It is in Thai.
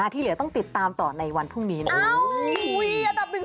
ที่เหลือต้องติดตามต่อในวันพรุ่งนี้นะครับ